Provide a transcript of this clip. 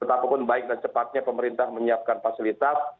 betapapun baik dan cepatnya pemerintah menyiapkan fasilitas